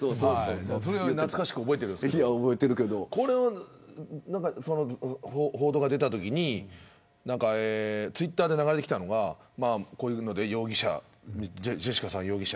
それは懐かしく覚えてるんですけどこの報道が出たときにツイッターで流れてきたのがジェシカさんが容疑者。